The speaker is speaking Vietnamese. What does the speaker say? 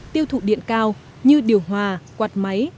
tiêu thụ điện cao như điều hòa quạt máy